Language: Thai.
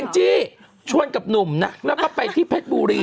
แอนจี้ชวนกับหนุ่มครับแล้วก็ไปที่แพทย์บูรี